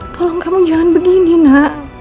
tolong kamu jangan begini nak